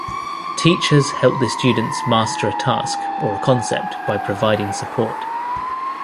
Teachers help the students master a task or a concept by providing support.